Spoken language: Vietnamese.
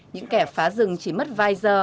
những kẻ phá rừng chỉ mất vài giờ